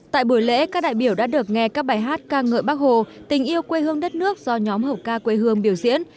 tại buổi lễ các đại biểu đã được nghe các bài hát ca ngợi bắc hồ tình yêu quê hương đất nước do nhóm hợp ca quê hương biểu diễn